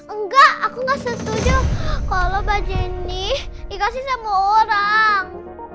enggak aku gak setuju kalau baju ini dikasih sama orang